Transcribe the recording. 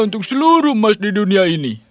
untuk seluruh emas di dunia ini